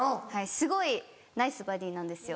すごいナイスボディーなんですよ。